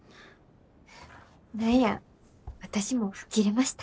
何や私も吹っ切れました。